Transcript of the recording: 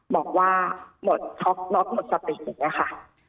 บอกว่าหมดช็อคหมดสติกอย่างเนี่ยค่ะ